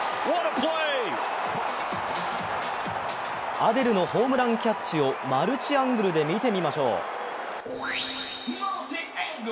アデルのホームランキャッチをマルチアングルで見てみましょう。